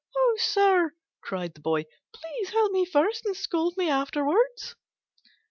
"Oh, sir," cried the Boy, "please help me first and scold me afterwards."